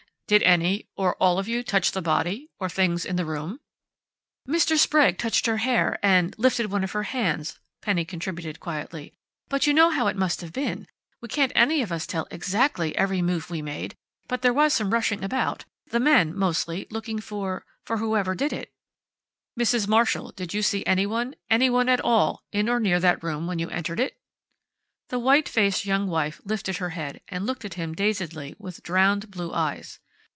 "Did any or all of you touch the body, or things in the room?" "Mr. Sprague touched her hair, and and lifted one of her hands," Penny contributed quietly. "But you know how it must have been! We can't any of us tell exactly every move we made, but there was some rushing about. The men, mostly, looking for for whoever did it " "Mrs. Marshall, did you see anyone anyone at all in or near that room when you entered it?" The white faced young wife lifted her head, and looked at him dazedly with drowned blue eyes.